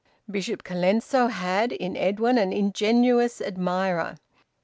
Bishop Colenso had, in Edwin, an ingenuous admirer.